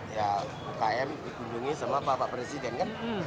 ya ukm dikunjungi sama bapak presiden kan